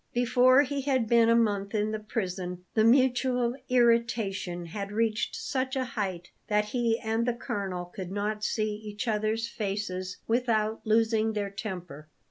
Before he had been a month in the prison the mutual irritation had reached such a height that he and the colonel could not see each other's faces without losing their temper.